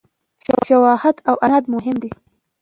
شواهد او اسناد مهم دي.